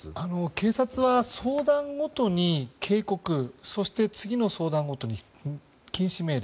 警察は相談ごとに警告そして次の相談ごとに禁止命令。